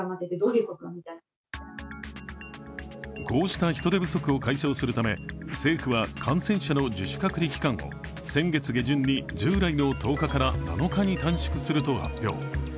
こうした人手不足を解消するため政府は感染者の自主隔離期間を先月下旬に従来の１０日から７日に短縮すると発表。